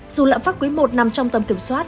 dù lãng phát quý một nằm trong tầm kiểm soát